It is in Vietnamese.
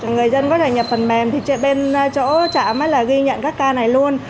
người dân có thể nhập phần mềm thì bên chỗ trạm ghi nhận các ca này luôn